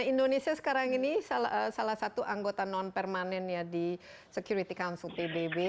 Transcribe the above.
indonesia sekarang ini salah satu anggota non permanen ya di security council pbb